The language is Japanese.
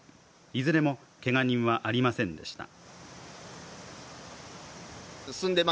いずれもけが人はありませんでした。